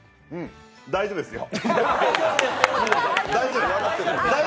大丈夫ですよ。